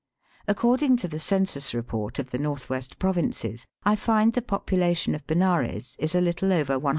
According to the census report of the North West Provinces, I find the population of Benares is a little over 176,000.